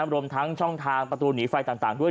รวมทั้งช่องทางประตูหนีไฟต่างด้วย